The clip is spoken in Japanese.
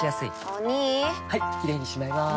お兄はいキレイにしまいます！